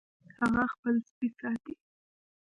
هغه خپل سپی ساتي